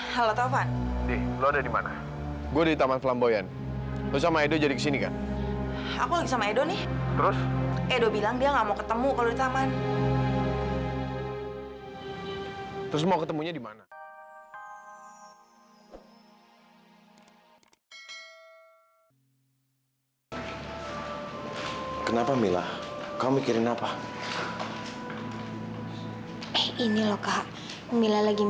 sampai jumpa di video selanjutnya